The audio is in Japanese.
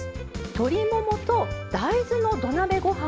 鶏ももと大豆の土鍋ご飯